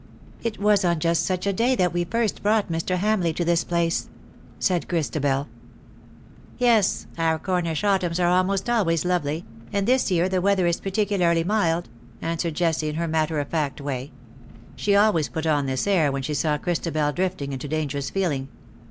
^^ It was on just such a day that we first brought Mr. Hamleigh to this place/'' said Christabel. " Yes, our Cornish autumns are almost always lovely, and this year the weather is particularly WB DRAW NIGH THEE." 195 mild/' answered Jessie, in her matter of fact way. She always put on this air when she saw Christa bel drifting into dangerous feeling.